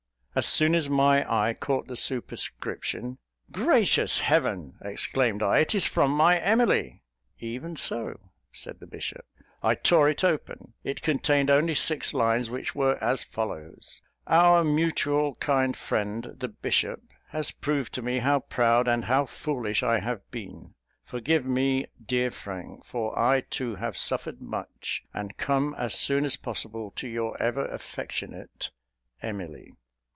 As soon as my eye caught the superscription, "Gracious Heaven!" exclaimed I; "it is from my Emily." "Even so," said the bishop. I tore it open. It contained only six lines, which were as follows: "Our mutual kind friend, the bishop, has proved to me how proud and how foolish I have been. Forgive me, dear Frank, for I too have suffered much; and come as soon as possible to your ever affectionate "EMILY."